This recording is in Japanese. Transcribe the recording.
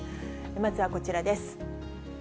まずはこちらです。